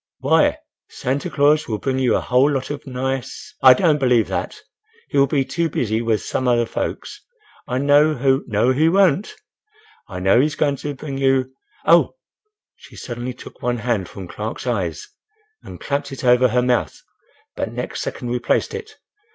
"Why,—Santa Claus will bring you a whole lot of nice—" "I don't believe that;—he will be too busy with some other folks I know, who—" "No, he won't—I know he's going to bring you—Oh!" She suddenly took one hand from Clark's eyes and clapped it over her mouth—but next second replaced it.